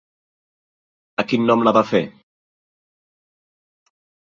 A quin nom la va fer?